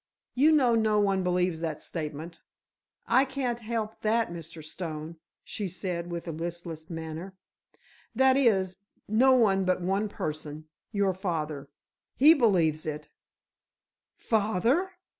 "You know no one believes that statement?" "I can't help that, Mr. Stone," she said, with a listless manner. "That is, no one but one person—your father. He believes it." "Father!"